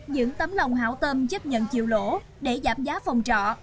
những tấm lòng hảo tâm chấp nhận chịu lỗ để giảm giá phòng trọ